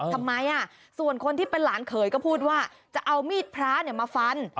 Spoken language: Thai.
ทำไมส่วนคนที่เป็นหลานเขยก็พูดว่าจะเอามีดพระมาฟัน